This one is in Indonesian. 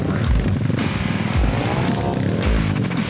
mereka sempat mencoba mencoba